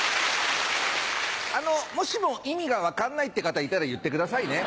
もしも意味が分かんないって方いたら言ってくださいね。